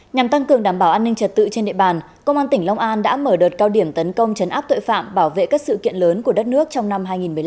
nhằm tăng cường đảm bảo an ninh trật tự trên địa bàn công an tỉnh long an đã mở đợt cao điểm tấn công chấn áp tội phạm bảo vệ các sự kiện lớn của đất nước trong năm hai nghìn một mươi năm